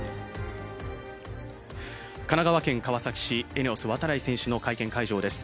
神奈川県川崎市ＥＮＥＯＳ、度会選手の会見の会場です。